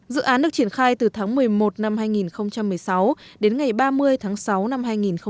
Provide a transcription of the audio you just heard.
dự án được triển khai từ tháng một mươi một năm hai nghìn một mươi sáu đến ngày ba mươi tháng sáu năm hai nghìn một mươi bảy